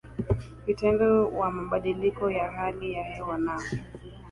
vitendo wa mabadiliko ya hali ya hewa na